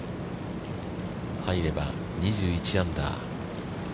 入れば、２１アンダー。